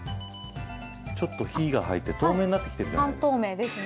ちょっと火が入って透明になってきているじゃないですか。